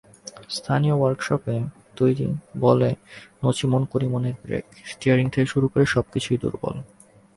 স্থানীয় ওয়ার্কশপে তৈরি বলে নছিমন-করিমনের ব্রেক, স্টিয়ারিং থেকে শুরু করে সবকিছুই দুর্বল।